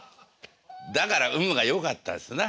だから運がよかったですな。